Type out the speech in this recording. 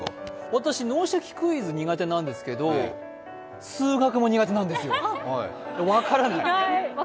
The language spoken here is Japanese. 私、「脳シャキ！クイズ」苦手なんですけど、数学も苦手なんですよ分からない。